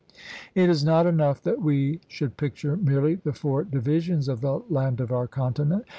It is not enough that we should picture merely the four divisions of the land of our continent.